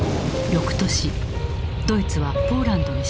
よくとしドイツはポーランドに侵攻。